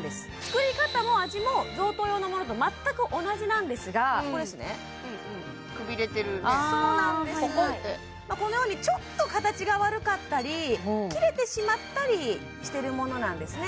作り方も味も贈答用の物と全く同じなんですがここですねくびれてるねそうなんですポコンってこのようにちょっと形が悪かったり切れてしまったりしてるものなんですね